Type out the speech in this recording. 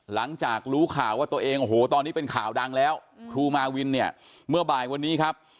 หลังจากรู้ข่าวว่าตัวเองโอ้โหตอนนี้เป็นข่าวดังแล้วครูมาวินเนี่ยเมื่อบ่ายวันนี้ครับ